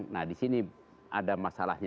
nah disini ada masalahnya